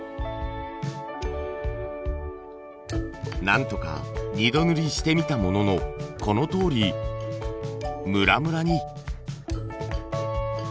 なんとか二度塗りしてみたもののこのとおりムラムラに。